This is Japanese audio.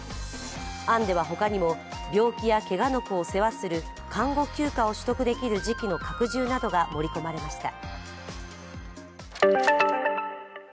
案では、他にも、病気やけがの子を世話する監護休暇を取得できる時期の拡充などが盛り込まれました。